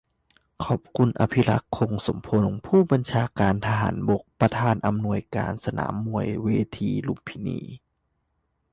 ขอบคุณ อภิรัชต์ คงสมพงษ์ ผู้บัญชาการทหารบก ประธานอำนวยการสนามมวยเวทีลุมพินี